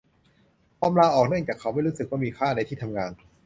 ทอมลาออกเนื่องจากเขาไม่รู้สึกว่ามีค่าในที่ทำงาน